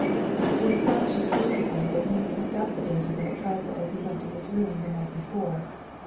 In a flash it came to him that he had picked up the dainty little trifle as he went to his room the night before.